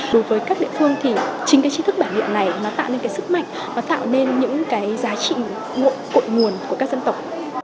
đối với các địa phương thì chính cái chi thức bản địa này nó tạo nên cái sức mạnh nó tạo nên những cái giá trị cội nguồn của các dân tộc